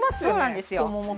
そうなんですよ。